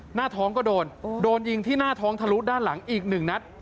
หน้าท้องก็โดนโดนยิงที่หน้าท้องทะลุด้านหลังอีกหนึ่งนัด